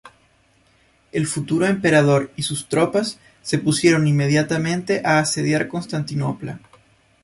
El futuro emperador y sus tropas se pusieron inmediatamente a asediar Constantinopla.